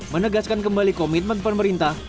menegaskan kembali komitmen pemerintah